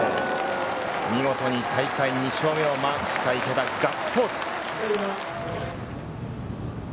見事に大会２勝目をマークした池田、ガッツポーズ。